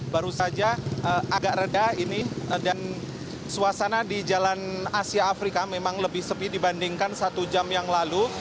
baru saja agak reda ini dan suasana di jalan asia afrika memang lebih sepi dibandingkan satu jam yang lalu